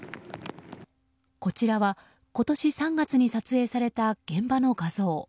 こちらは今年３月に撮影された現場の画像。